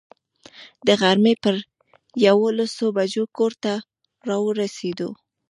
د غرمې پر یوولسو بجو کور ته را ورسېدو.